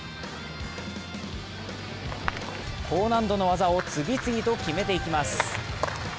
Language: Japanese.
高難度の技を次々と決めていきます。